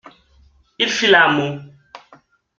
Il fit la moue.